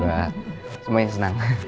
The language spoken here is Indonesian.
semoga semuanya senang